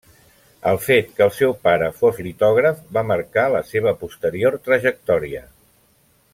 El fet que el seu pare fos litògraf va marcar la seva posterior trajectòria.